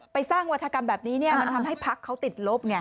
สร้างวัฒกรรมแบบนี้มันทำให้พักเขาติดลบไง